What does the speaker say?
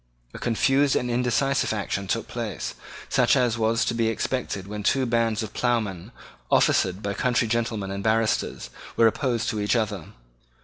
A confused and indecisive action took place, such as was to be expected when two bands of ploughmen, officered by country gentlemen and barristers, were opposed to each other.